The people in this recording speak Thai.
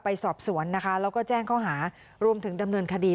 ไปสอบสวนนะคะแล้วก็แจ้งข้อหารวมถึงดำเนินคดี